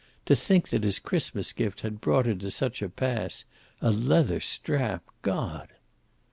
To think that his Christmas gift had brought her to such a pass! A leather strap! God!